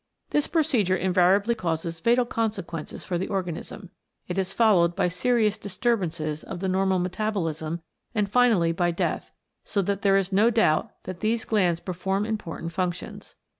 This procedure invariably causes fatal consequences for the organism. It is followed by serious disturbances of the normal metabolism and finally by death, so that there is no doubt that these glands perform important functions.